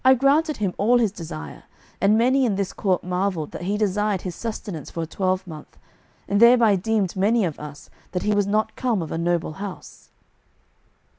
I granted him all his desire, and many in this court marvelled that he desired his sustenance for a twelvemonth, and thereby deemed many of us that he was not come of a noble house."